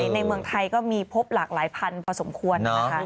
ในเมืองไทยก็มีพบหลากหลายพันธุ์พอสมควรนะคะ